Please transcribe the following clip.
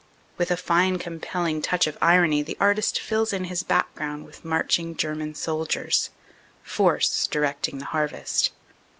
With a fine compelling touch of irony the artist fills in his background with marching German sol diers force directing the harvest.